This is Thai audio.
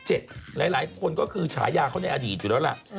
หลายคนก็คือฉายาเขาในอดีตอยู่แล้วล่ะ